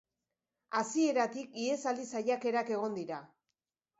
Hasieratik ihesaldi saiakerak egon dira.